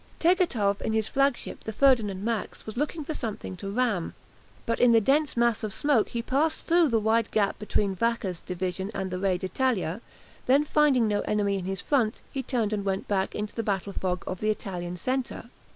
Tegethoff in his flagship the "Ferdinand Max" was looking for something to ram, but in the dense mass of smoke he passed through the wide gap between Vacca's division and the "Re d'Italia," then finding no enemy in his front, he turned and went back into the battle fog of the Italian centre.